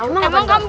emang kamu bisa jawab